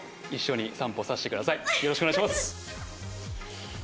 よろしくお願いします！